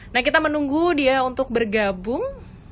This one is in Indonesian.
nah kita menunggu dia untuk bergabung